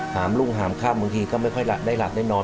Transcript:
มรุ่งหามค่ำบางทีก็ไม่ค่อยได้หลับได้นอน